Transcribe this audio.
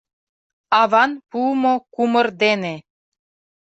Аван пуымо кумыр дене